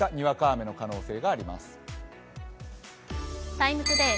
「ＴＩＭＥ，ＴＯＤＡＹ」